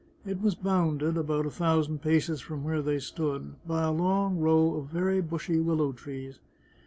It was bounded, about a thousand paces from where they stood, by a long row of very bushy willow trees.